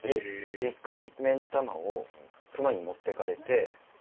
一回目ん玉を熊に持ってかれて。